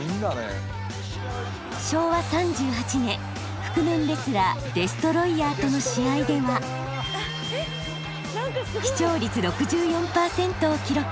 昭和３８年覆面レスラーデストロイヤーとの試合では視聴率６４％を記録。